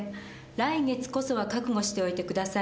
来月こそは覚悟しておいてくださいよ。